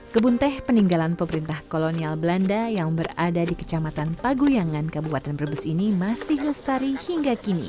kebun teh peninggalan pemerintah kolonial belanda yang berada di kecamatan paguyangan kabupaten brebes ini masih lestari hingga kini